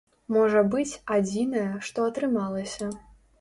Можа быць, адзінае, што атрымалася.